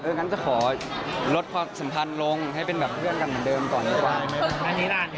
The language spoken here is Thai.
งั้นจะขอลดความสัมพันธ์ลงให้เป็นแบบเพื่อนกันเหมือนเดิมก่อนดีกว่า